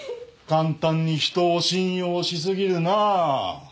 簡単に人を信用しすぎるなぁ。